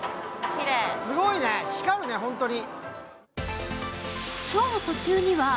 すごいね、光るね、本当に。